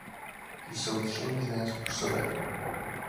Jsou tři možné způsoby.